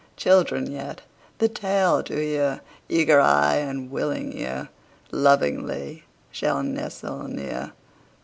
Children yet, the tale to hear, Eager eye and willing ear, Lovingly shall nestle near.